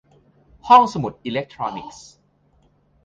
ห้องสมุดอิเล็กทรอนิกส์